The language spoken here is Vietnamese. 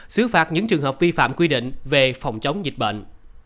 xứ phạt những trường hợp vi phạm quy định về phòng chống dịch bệnh